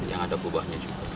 yang ada bubahnya juga